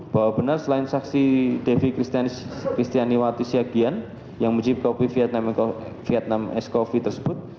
empat puluh bahwa benar selain saksi devi krisnawati siagian yang mencicipi kopi vietnam escoffee tersebut